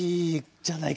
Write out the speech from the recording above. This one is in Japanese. じゃないか！